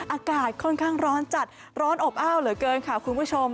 อากาศค่อนข้างร้อนจัดร้อนอบอ้าวเหลือเกินค่ะคุณผู้ชม